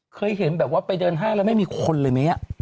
เคยเห็นแบบว่าไปเดินห้างแล้วไม่มีคนเลยไหม